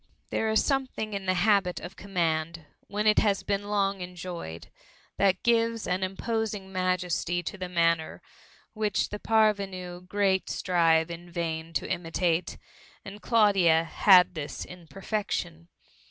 There is something in the habit of command, when it has been long enjoyed, that gives an imposing majesty to the manner, which the parvenu great strive in vain to imitate ; and Claudia had this in perfection.